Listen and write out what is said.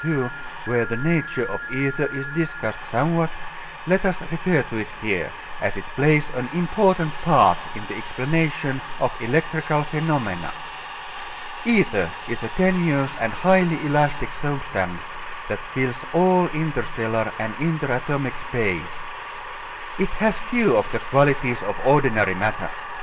II, where the nature of ether is discussed somewhat, let us refer to it here, as it plays an important part in the explanation of electrical phenomena. Ether is a tenuous and highly elastic substance that fills all interstellar and interatomic space. It has few of the qualities of ordinary matter.